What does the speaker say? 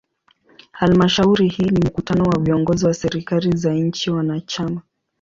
Halmashauri hii ni mkutano wa viongozi wa serikali za nchi wanachama.